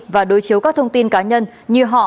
và đối chiếu các thông tin cá nhân như họ